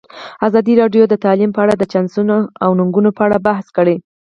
ازادي راډیو د تعلیم په اړه د چانسونو او ننګونو په اړه بحث کړی.